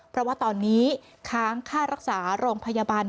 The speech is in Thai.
เพราะว่าตอนนี้ค้างค่ารักษาโรงพยาบาล